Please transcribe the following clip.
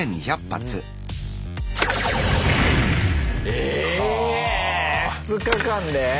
ええ２日間で？